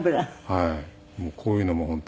もうこういうのも本当に。